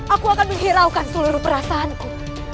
aku akan menghiraukan seluruh perasaanku